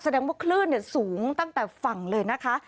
ว่าคลื่นสูงตั้งแต่ฝั่งเลยนะคะ